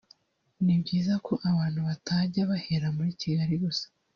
ni byiza ko abantu batajya bahera muri Kigali gusa